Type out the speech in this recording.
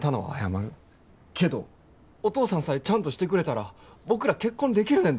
けどお父さんさえちゃんとしてくれたら僕ら結婚できるねんで。